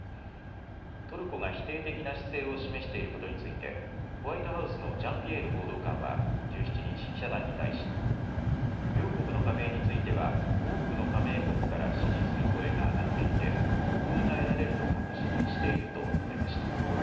トルコが否定的な姿勢を示していることについてホワイトハウスのジャンピエール報道官は１７日、記者団に対し両国の加盟については多くの加盟国から支持する声が上がっていて合意が得られると確信していると述べました。